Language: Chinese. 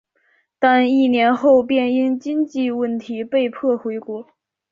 但一年后便因经济问题被迫回国。